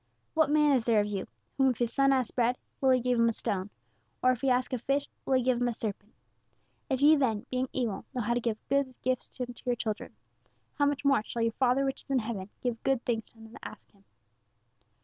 'What man is there of you, whom if his son ask bread, will he give him a stone? Or if he ask a fish, will he give him a serpent? If ye then, being evil, know how to give good gifts unto your children, how much more shall your Father which is in heaven give good things to them that ask Him.'"